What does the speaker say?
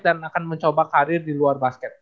dan akan mencoba karir di luar basket